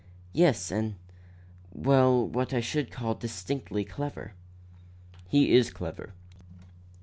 "Yes, and well, what I should call distinctly clever." "He is clever.